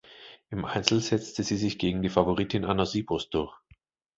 Im Einzel setzte sie sich gegen die Favoritin Anna Sipos durch.